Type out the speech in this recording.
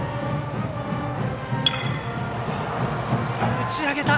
打ち上げた。